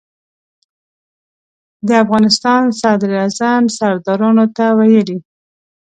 د افغانستان صدراعظم سردارانو ته ویلي.